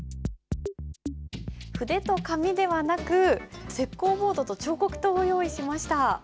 筆と紙ではなく石こうボードと彫刻刀を用意しました。